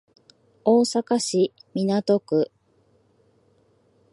大阪市港区